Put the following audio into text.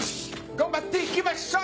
頑張っていきまっしょい！